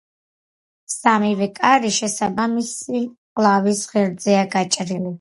სამივე კარი შესაბამისი მკლავის ღერძზეა გაჭრილი.